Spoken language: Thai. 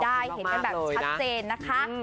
ได้เห็นกันแบบชัดเจนนะคะ